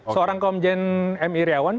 seorang komjen m i iriawan